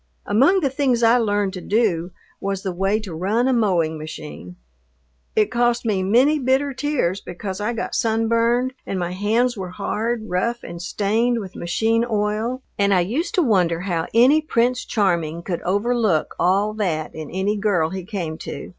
Among the things I learned to do was the way to run a mowing machine. It cost me many bitter tears because I got sunburned, and my hands were hard, rough, and stained with machine oil, and I used to wonder how any Prince Charming could overlook all that in any girl he came to.